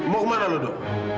mau kemana lu do